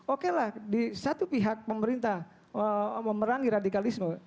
oke lah di satu pihak pemerintah memerangi radikalisme